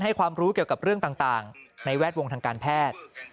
ความรู้เกี่ยวกับเรื่องต่างในแวดวงทางการแพทย์